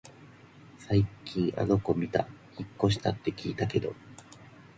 最近あの子みた？引っ越したって聞いたけど